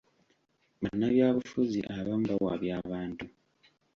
Bannabyabufuzi abamu bawabya abantu.